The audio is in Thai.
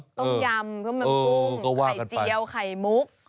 ต้มยำกะเพราแมมปุ้งไข่เจียวไข่มุก